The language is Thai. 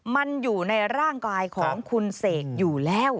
มันอยู่ในร่างกายของคุณเสกอยู่แล้ว